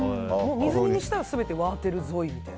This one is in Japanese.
水煮にしたら全てワーテルゾイみたいな。